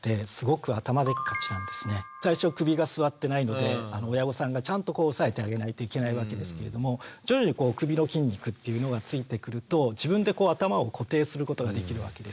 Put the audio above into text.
最初首がすわってないので親御さんがちゃんと押さえてあげないといけないわけですけれども徐々に首の筋肉っていうのがついてくると自分で頭を固定することができるわけです。